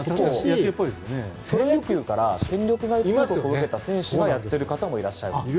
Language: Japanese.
プロ野球から戦力外通告を受けた選手でやっている方もいらっしゃる。